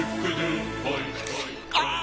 ああ！